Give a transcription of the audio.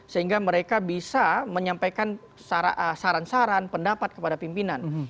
sehingga mereka bisa menyampaikan saran saran pendapat kepada pimpinan